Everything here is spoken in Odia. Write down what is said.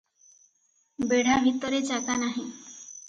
ବେଢ଼ା ଭିତରେ ଜାଗା ନାହିଁ ।